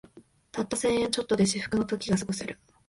たった千円ちょっとで至福の時がすごせる